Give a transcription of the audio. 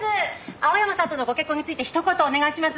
「青山さんとのご結婚についてひと言お願いします」